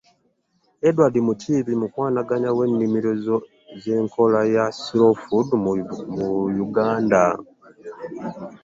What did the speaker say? Edward Mukiibi, omukwanaganya w’ennimiro z’enkola ya Slow Food mu Uganda